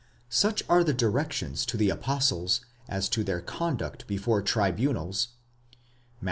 Such are the directions to the apostles as to their conduct before tribunals (Matt.